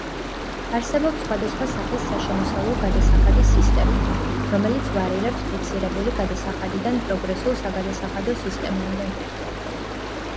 არსებობს სხვადასხვა სახის საშემოსავლო გადასახადის სისტემები, რომელიც ვარირებს ფიქსირებული გადასახადიდან პროგრესულ საგადასახადო სისტემამდე.